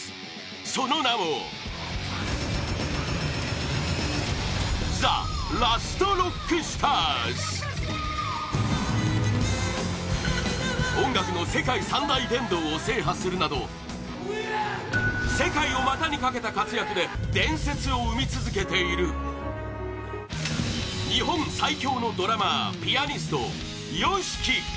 その名も ＴＨＥＬＡＳＴＲＯＣＫＳＴＡＲＳ 音楽の世界三大殿堂を制覇するなど世界を股にかけた活躍で伝説を生み続けている日本最強のドラマー・ピアニスト ＹＯＳＨＩＫＩ